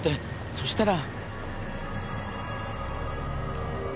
そしたら。